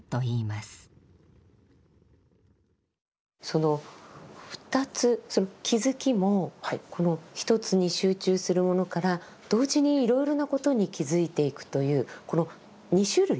その２つその気づきもこの一つに集中するものから同時にいろいろなことに気づいていくというこの２種類。